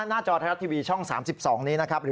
หน้าจอแหลมที่เวียช่อง๓๒นี้